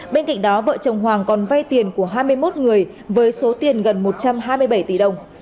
bên cạnh đó vợ chồng hoàng còn vay tiền của hai mươi một người với số tiền gần một trăm hai mươi bảy tỷ đồng